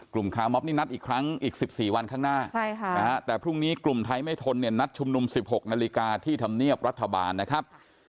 คาร์มอฟนี่นัดอีกครั้งอีก๑๔วันข้างหน้าแต่พรุ่งนี้กลุ่มไทยไม่ทนเนี่ยนัดชุมนุม๑๖นาฬิกาที่ธรรมเนียบรัฐบาลนะครับ